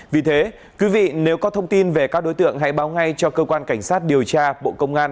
vì thế quý vị nếu có thông tin về các đối tượng hãy báo ngay cho cơ quan cảnh sát điều tra bộ công an